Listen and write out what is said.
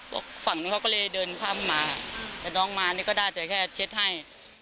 ฝั่งนู้นเขาก็เลยเดินข้ามมาแต่น้องมานี่ก็ได้แต่แค่เช็ดให้